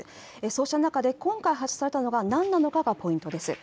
そうした中で今回、発射されたのが何なのかがポイントです。